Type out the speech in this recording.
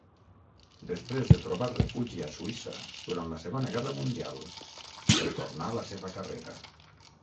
Després de trobar refugi a Suïssa durant la Segona Guerra Mundial, retornà la seva carrera.